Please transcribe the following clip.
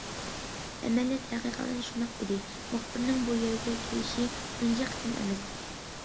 ئەمەلىيەت ھەقىقەتەن شۇنداق ئىدى، مۇخبىرنىڭ بۇ يەرگە كېلىشى تۇنجى قېتىم ئەمەس.